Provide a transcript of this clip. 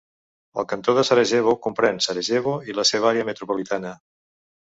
El Cantó de Sarajevo comprèn Sarajevo i la seva àrea metropolitana.